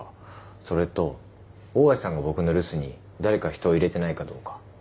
それと大家さんが僕の留守に誰か人を入れてないかどうか。